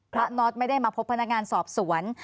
น็อตไม่ได้มาพบพนักงานสอบสวน